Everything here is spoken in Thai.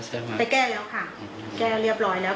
ไปแก้แล้วค่ะแก้เรียบร้อยแล้ว